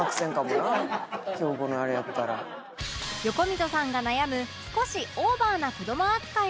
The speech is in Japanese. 横溝さんが悩む少しオーバーな子ども扱い